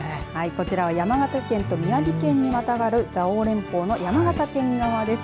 こちらは山形県と宮城県にまたがる蔵王連峰の山形県側です。